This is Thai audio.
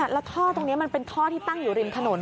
แล้วท่อตรงนี้มันเป็นท่อที่ตั้งอยู่ริมถนน